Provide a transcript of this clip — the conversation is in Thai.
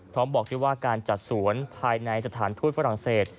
พร้อมบอกว่าการจัดสวนภายในสถานทุนฝรั่งเศส